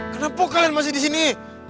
kenapa kalian masih di sini